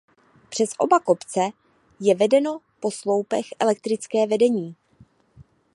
Přes oba kopce je vedeno po sloupech elektrické vedení.